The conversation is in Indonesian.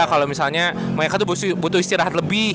kalau misalnya mereka tuh butuh istirahat lebih